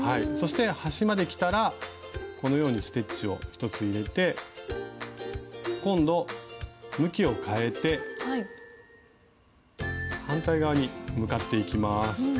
そして端まできたらこのようにステッチを１つ入れて今度向きを変えて反対側に向かっていきます。